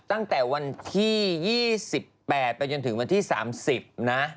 ตั้งแต่วันที่๒๘ไปจนถึงวันที่๓๐นะ